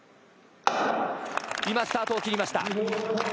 今、スタートを切りました。